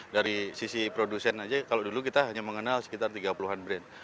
dari sisi produsen aja kalau dulu kita hanya mengenal sekitar tiga puluh an brand